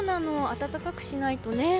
暖かくしないとね。